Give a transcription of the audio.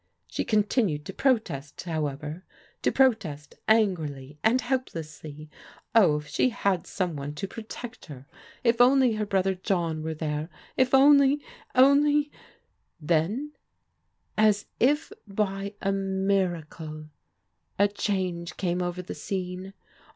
She continued to protest, however, to protest angrily and hdplessly. Oh, if Ac had some one to protect her! If only her brother John were there! If only — only Then as if by a miracle, a change came over the scene.